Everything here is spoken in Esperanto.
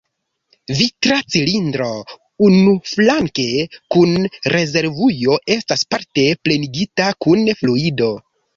Vitra cilindro unuflanke kun rezervujo estas parte plenigita kun fluido.